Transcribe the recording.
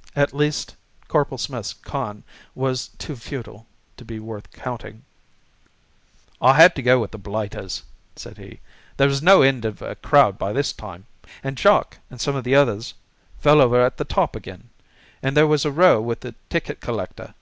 _ At least, Corporal Smith's con. was too futile to be worth counting. "I had to go with the blighters," said he. "There was no end of a crowd by this time. And Jock and some of the others fell over at the top again. And there was a row with the ticket collector.